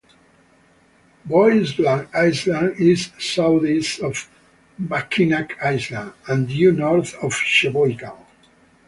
Bois Blanc Island is southeast of Mackinac Island and due north of Cheboygan.